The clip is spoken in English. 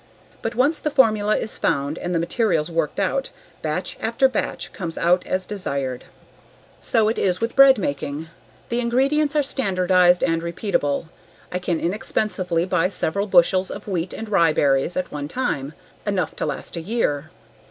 But once the formula is found and the materials worked out, batch after batch comes out as desired. So it is with bread making. The ingredients are standardized and repeatable. I can inexpensively buy several bushels of wheat and rye berries at one time, enough to last a year.